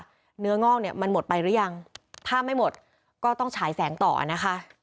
เนื้องอกเนี่ยมันหมดไปหรือยังถ้าไม่หมดก็ต้องฉายแสงต่อนะคะ